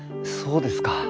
そうですか。